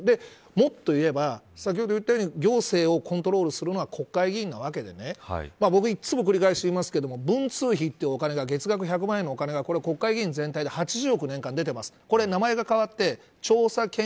もっと言えば先ほど言ったように行政をコントロールするのは国会議員なわけで僕はいつも繰り返していますが文通費という月額１００万円の金が国会議員全体で８０億、出ています。